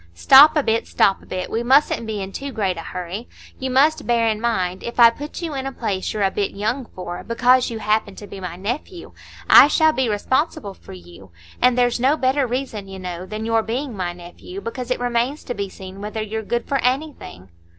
"Stop a bit, stop a bit; we mustn't be in too great a hurry. You must bear in mind, if I put you in a place you're a bit young for, because you happen to be my nephew, I shall be responsible for you. And there's no better reason, you know, than your being my nephew; because it remains to be seen whether you're good for anything."